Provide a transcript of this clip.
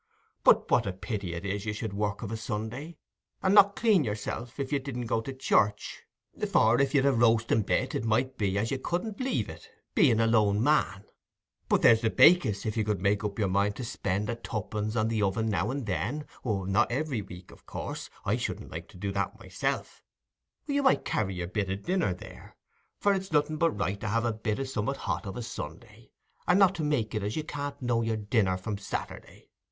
"But what a pity it is you should work of a Sunday, and not clean yourself—if you didn't go to church; for if you'd a roasting bit, it might be as you couldn't leave it, being a lone man. But there's the bakehus, if you could make up your mind to spend a twopence on the oven now and then,—not every week, in course—I shouldn't like to do that myself,—you might carry your bit o' dinner there, for it's nothing but right to have a bit o' summat hot of a Sunday, and not to make it as you can't know your dinner from Saturday.